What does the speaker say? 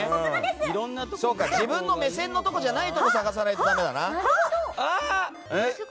自分の目線のところじゃないところを探さないとな。